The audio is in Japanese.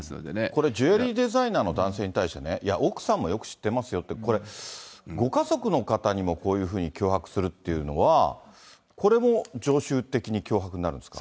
これ、ジュエリーデザイナーの男性に対してね、いや、奥さんもよく知ってますよって、これ、ご家族の方にもこういうふうに脅迫するっていうのは、これも常習的に脅迫になるんですか。